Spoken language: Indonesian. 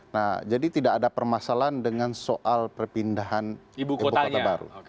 nah jadi tidak ada permasalahan dengan soal perpindahan ibu kota baru